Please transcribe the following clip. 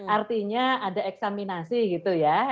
artinya ada eksaminasi gitu ya